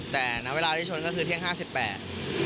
แต่ณเวลาที่ชนก็คือเที่ยงห้าสิบแปด